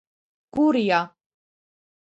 გურია